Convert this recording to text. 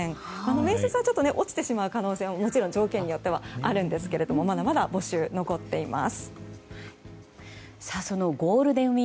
面接は落ちてしまう可能性はもちろん条件によってはあるんですけどまだまだ募集が残っています。